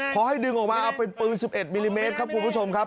พอให้ดึงออกมาเอาเป็นปืน๑๑มิลลิเมตรครับคุณผู้ชมครับ